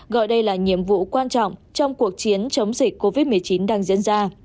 gọi đây là nhiệm vụ quan trọng trong cuộc chiến chống dịch covid một mươi chín đang diễn ra